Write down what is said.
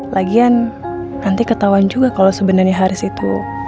lagian nanti ketahuan juga kalau sebenarnya haris itu